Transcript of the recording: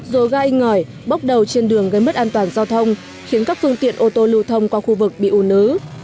dồ gai ngỏi bốc đầu trên đường gây mất an toàn giao thông khiến các phương tiện ô tô lưu thông qua khu vực bị ủ nứ